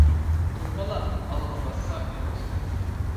قىز بالا ئالغا باسسا يالغۇز قالىدۇ.